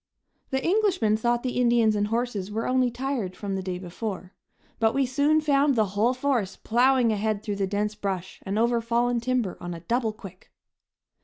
The Englishmen thought the Indians and horses were only tired from the day before, but we soon found the whole force plowing ahead through the dense brush and over fallen timber on a double quick.